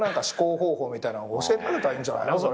方法みたいなの教えてあげたらいいんじゃないの？